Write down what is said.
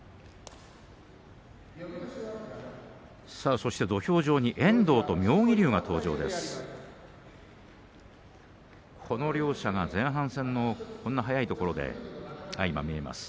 そして土俵上に遠藤と妙義龍が登場しました。